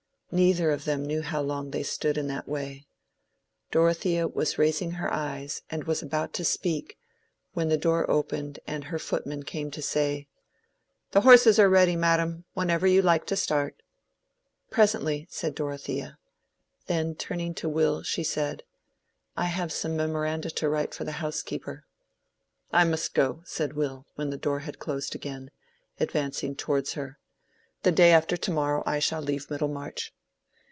Neither of them knew how long they stood in that way. Dorothea was raising her eyes, and was about to speak, when the door opened and her footman came to say— "The horses are ready, madam, whenever you like to start." "Presently," said Dorothea. Then turning to Will, she said, "I have some memoranda to write for the housekeeper." "I must go," said Will, when the door had closed again—advancing towards her. "The day after to morrow I shall leave Middlemarch."